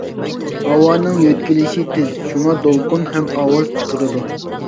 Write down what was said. ھاۋانىڭ يۆتكىلىش تېز، شۇڭا دولقۇن ھەم ئاۋاز چىقىرىدۇ.